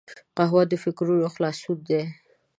قهوه د فکرونو خلاصون دی